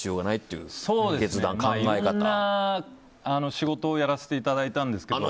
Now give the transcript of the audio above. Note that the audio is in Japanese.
いろんな仕事をやらせていただいたんですけど。